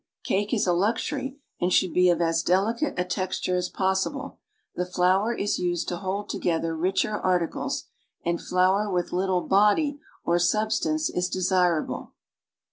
Cake is a luxury and should be of as delicate a texture as possible; the flour is used to hold together richer articles, and flour with little "body" or substance is desirable.